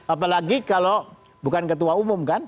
apalagi kalau bukan ketua umum kan